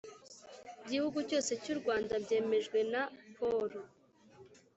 gihugu cyose cy u Rwanda byemejwe na polo